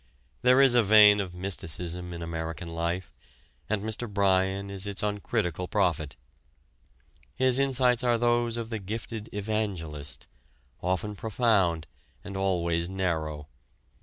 There is a vein of mysticism in American life, and Mr. Bryan is its uncritical prophet. His insights are those of the gifted evangelist, often profound and always narrow.